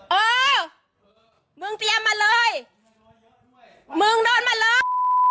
เออมึงเตรียมมาเลยมึงโดนมาเลย